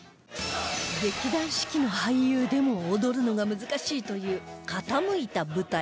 劇団四季の俳優でも踊るのが難しいという傾いた舞台